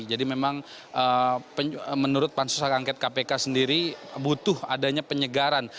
jadi memang menurut pansus hak angket kpk sendiri butuh adanya penyegaran